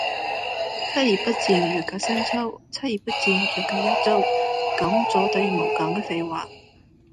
一日不見如隔三秋，七日不見如隔一周，講咗等如冇講嘅廢話